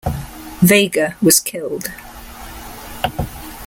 Vega was killed.